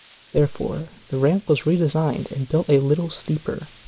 Therefore, the ramp was redesigned and built a little steeper.